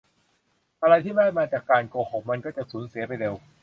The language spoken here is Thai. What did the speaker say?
อะไรที่ได้มาจากการโกหกมักจะสูญเสียไปเร็ว